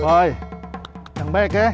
oye yang baik ya